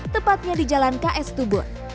tepatnya di jalan ks tubun